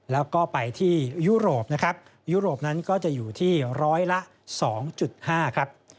แล้วก็ไปที่ยุโรปนะครับยุโรปนั้นก็จะอยู่ที่ร้อยละ๒๕ครับ